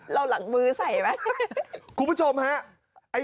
เราหลังมือใส่มั้ยคุณผู้ชมฮะ